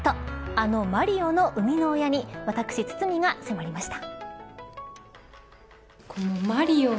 あのマリオの生みの親に私、堤が迫りました。